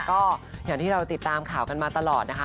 ก็อย่างที่เราติดตามข่าวกันมาตลอดนะคะ